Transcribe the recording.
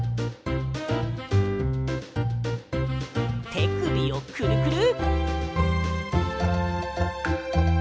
てくびをクルクル。